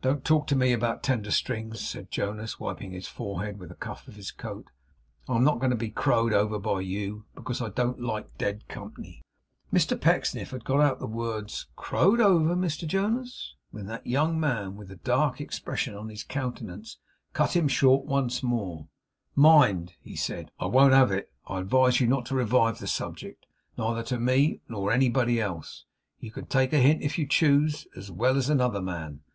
'Don't talk to me about tender strings,' said Jonas, wiping his forehead with the cuff of his coat. 'I'm not going to be crowed over by you, because I don't like dead company.' Mr Pecksniff had got out the words 'Crowed over, Mr Jonas!' when that young man, with a dark expression in his countenance, cut him short once more: 'Mind!' he said. 'I won't have it. I advise you not to revive the subject, neither to me nor anybody else. You can take a hint, if you choose as well as another man.